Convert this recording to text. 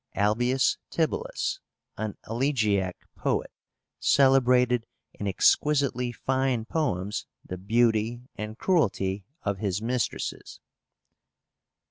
ALBIUS TIBULLUS, an elegiac poet, celebrated in exquisitely fine poems the beauty and cruelty of his mistresses.